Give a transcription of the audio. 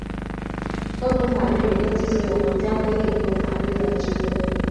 高等法院有登记所有皇家敕令和法律的职责。